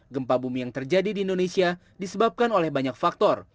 gempa bumi yang terjadi di indonesia disebabkan oleh banyak faktor